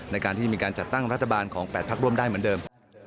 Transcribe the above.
ในการที่มีการจัดตั้งรัฐบาลของ๘พักร่วมได้เหมือนเดิม